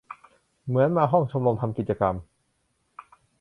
เหมือนมาห้องชมรม ทำกิจกรรม